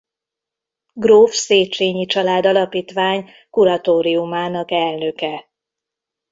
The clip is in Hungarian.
Gróf Széchenyi Család Alapítvány kuratóriumának elnöke.